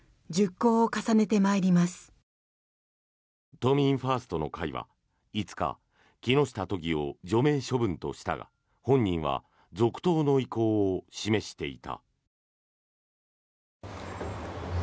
都民ファーストの会は５日木下都議を除名処分としたが本人は続投の意向を示していた。